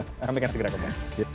kami akan segera kembali